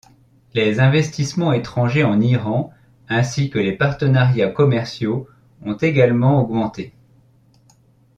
Les investissements étrangers en Iran, ainsi que les partenariats commerciaux, ont également augmenté.